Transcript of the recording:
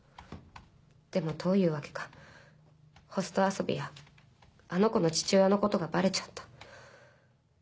でもどういうわけかホスト遊びやあの子の父親のことがばれちゃった。